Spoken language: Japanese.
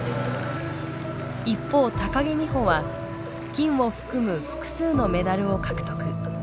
一方木美帆は金を含む複数のメダルを獲得。